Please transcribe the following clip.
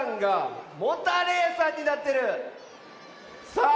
さあ